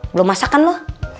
belum masakan lu